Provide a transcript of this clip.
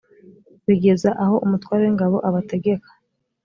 bigeza aho umutware w’ingabo abategeka